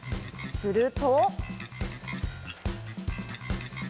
すると。